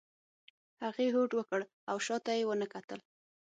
هغې هوډ وکړ او شا ته یې ونه کتل.